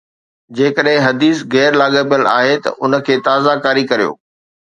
جيڪڏهن حديث غير لاڳاپيل آهي ته ان کي تازه ڪاري ڪريو